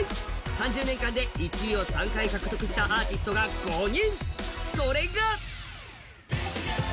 ３０年間で１位を３回獲得したアーティストが５人。